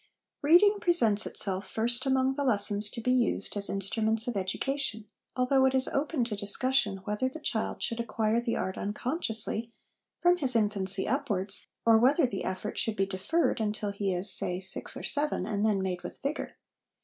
Reading presents itself first amongst the lessons to be used as instruments of education, although it is open to discussion whether the child should acquire the art unconsciously, from his infancy upwards, or whether the effort should be deferred until he is, say, six or seven, and then made with vigour.